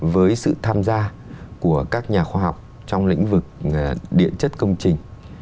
với sự tham gia của các nhà khoa học trong lĩnh vực điện chất công trình